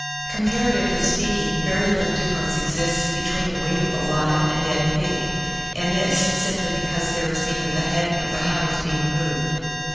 793. COMPARATIVELY SPEAKING, very little difference exists between the weight of the live and dead pig, and this, simply because there is neither the head nor the hide to be removed.